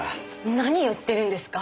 何言ってるんですか？